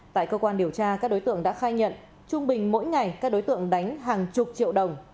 tại cơ quan điều tra các đối tượng đã khai nhận trung bình mỗi ngày các đối tượng đánh hàng chục triệu đồng